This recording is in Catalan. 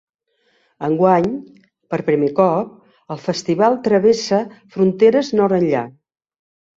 Enguany, per primer cop, el festival travessa fronteres nord enllà.